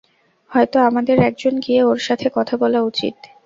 হয়তো আমাদের একজন গিয়ে ওর সাথে কথা বলা উচিত।